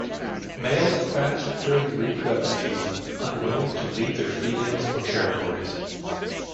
Males fast during the reproductive season, unwilling to leave their females or territories.